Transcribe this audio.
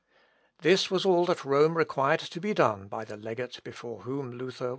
This was all that Rome required to be done by the legate before whom Luther was cited.